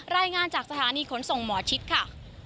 รายงานจากสถานีขนส่งหมอชิดค่ะ